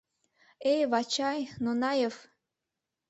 — Эй, Вачай, Нонаев!